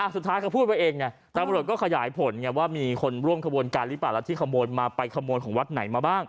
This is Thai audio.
สุดท้ายเขาพูดไปเองไงตำรวจก็ขยายผลไงว่ามีคนร่วมขบวนการหรือเปล่าแล้วที่ขโมยมาไปขโมยของวัดไหนมาบ้าง